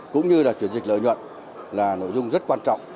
cũng như là chuyển dịch lợi nhuận là nội dung rất quan trọng